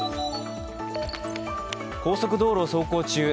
高速道路を走行中